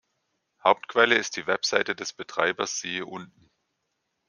Hauptquelle ist die Webseite des Betreibers siehe unten.